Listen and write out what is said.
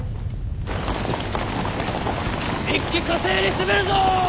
一気呵成に攻めるぞ！